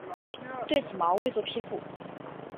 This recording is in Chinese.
对此毛未作批复。